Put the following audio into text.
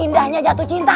indahnya jatuh cinta